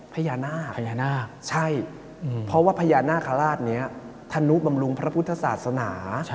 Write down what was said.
พญานาคพญานาคใช่เพราะว่าพญานาคาราชนี้ธนุบำรุงพระพุทธศาสนา